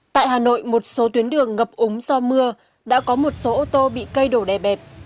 tại hà nội một số tuyến đường ngập úng do mưa đã có một số ô tô bị cây đổ đè bẹp